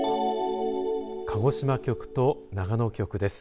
鹿児島局と長野局です。